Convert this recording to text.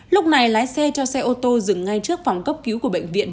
lúc này lái xe cho xe ô tô dừng ngay trước phòng cấp cứu của bệnh viện